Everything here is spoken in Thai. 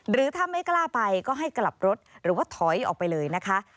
หรือถ้าไม่กล้าไปก็ให้กลับรถหรือว่าถอยออกไปเลยนะคะ